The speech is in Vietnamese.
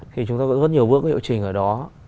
thì chúng ta có rất nhiều bước hiệu chỉnh ở đó